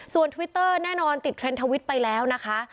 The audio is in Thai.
ส่วนทวิตเตอร์แน่นอนติดเทรนด์ทวิตไปแล้วนะคะ